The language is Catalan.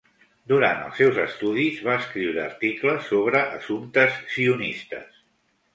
Durant els seus estudis, va escriure articles sobre assumptes sionistes.